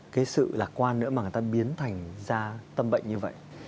cái sự lạc quan nữa mà người ta biến thành ra tâm bệnh như vậy